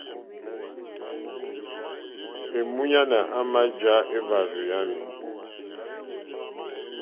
Èmúɲánà àmà jǎ éhwàrzù yámì.